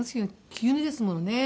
急にですものね。